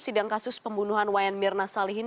sidang kasus pembunuhan wayan mirna salihin